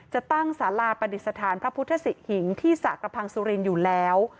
จะตั้งสาราปฏิสถานพระพุทธศิหิงที่สระกระพังสุรินทร์อยู่แล้ว